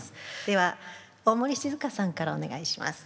では大森静佳さんからお願いします。